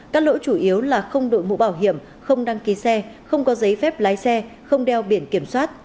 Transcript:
các lỗi chủ yếu là không đội mũ bảo hiểm không đăng ký xe không có giấy phép lái xe không đeo biển kiểm soát